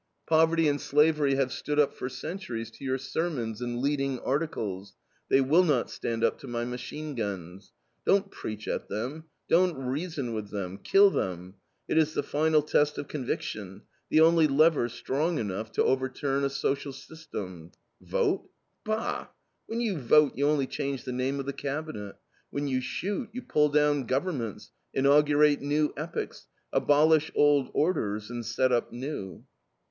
Poverty and slavery have stood up for centuries to your sermons and leading articles; they will not stand up to my machine guns. Don't preach at them; don't reason with them. Kill them.... It is the final test of conviction, the only lever strong enough to overturn a social system.... Vote! Bah! When you vote, you only change the name of the cabinet. When you shoot, you pull down governments, inaugurate new epochs, abolish old orders, and set up new."